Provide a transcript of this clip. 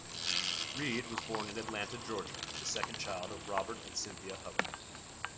Reed was born in Atlanta, Georgia, the second child of Robert and Cynthia Hubbard.